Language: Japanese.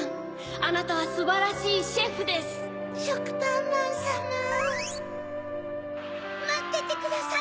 あなたはすばらしいシェしょくぱんまんさままっててください